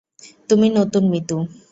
তুমি নতুন মিতু।